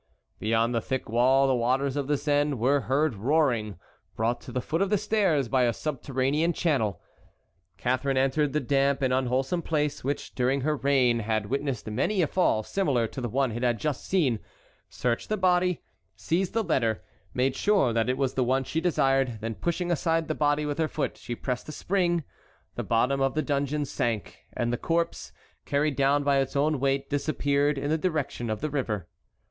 Beyond the thick wall the waters of the Seine were heard roaring, brought to the foot of the stairs by a subterranean channel. Catharine entered the damp and unwholesome place, which during her reign had witnessed many a fall similar to the one it had just seen, searched the body, seized the letter, made sure that it was the one she desired, then pushing aside the body with her foot she pressed a spring, the bottom of the dungeon sank, and the corpse, carried down by its own weight, disappeared in the direction of the river.